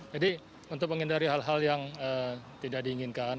jadi untuk menghindari hal hal yang tidak diinginkan